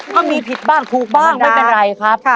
ถ้ามีผิดบ้างถูกบ้างไม่เป็นไรครับ